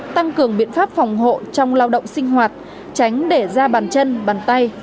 tăng cường biện pháp phòng hộ trong lao động sinh hoạt tránh để ra bàn chân bàn tay